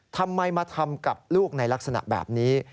ทำไมมาทำกับลูกในลักษณะแบบนี้